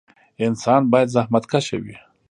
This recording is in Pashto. انسان باید زخمتکشه وي